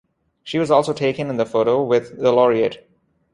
She was also taken in the photo with the laureate.